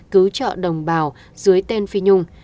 cứu trợ đồng bào dưới tên phi nhung